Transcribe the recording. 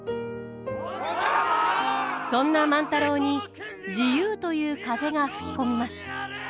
そんな万太郎に自由という風が吹き込みます。